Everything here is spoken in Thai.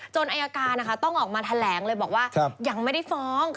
อายการต้องออกมาแถลงเลยบอกว่ายังไม่ได้ฟ้อง